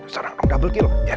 sekarang double kill